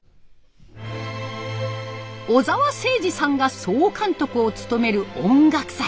小澤征爾さんが総監督を務める音楽祭。